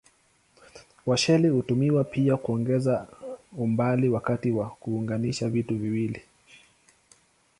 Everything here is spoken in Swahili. Washeli hutumiwa pia kuongeza umbali wakati wa kuunganisha vitu viwili.